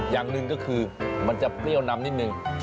อย่างหนึ่งก็คือมันจะเปรี้ยวนำนิดนึง